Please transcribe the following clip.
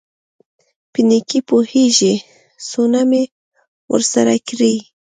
په نېکۍ پوېېږي څونه مې ورسره کړي.